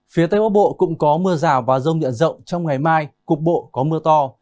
phía tây bắc bộ cũng có mưa rào và rông nhận rộng trong ngày mai cục bộ có mưa to